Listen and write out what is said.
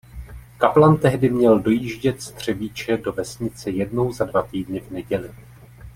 Kaplan tehdy měl dojíždět z Třebíče do vesnice jednou za dva týdny v neděli.